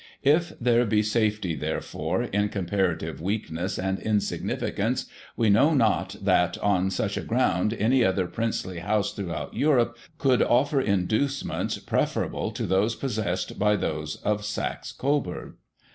If there be safety^ therefore, in compara tive weakness and insignificance. We know not that, on such a ground, £iny other princely house throughout Europe, could offer inducements preferable to those possessed by those of Saxe Coburg.